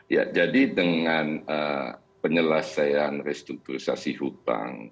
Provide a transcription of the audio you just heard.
ya jadi dengan penyelesaian restrukturisasi hutang